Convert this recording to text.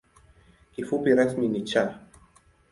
Kifupi rasmi ni ‘Cha’.